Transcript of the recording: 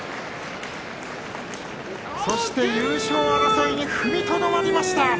そして優勝争いに踏みとどまりました。